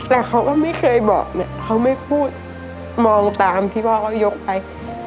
แต่เขาก็ไม่เคยบอกเนี่ยเขาไม่พูดมองตามที่พ่อเขายกไป